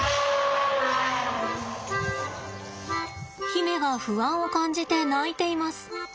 媛が不安を感じて鳴いています。